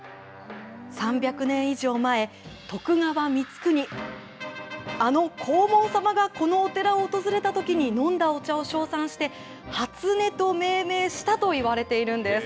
３００年以上前、徳川光圀、あの黄門様がこのお寺を訪れたときに、飲んだお茶を称賛して、初音と命名したといわれているんです。